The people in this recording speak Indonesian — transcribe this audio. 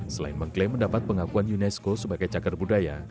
selain mengklaim mendapat pengakuan unesco sebagai cagar budaya